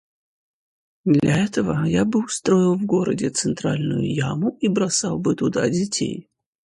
Для этого я бы устроил в городе центральную яму и бросал бы туда детей.